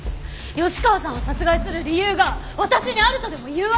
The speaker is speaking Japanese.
吉川さんを殺害する理由が私にあるとでもいうわけ？